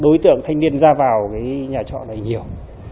đối tượng thanh niên ra vào cái nhà trọ này nhiều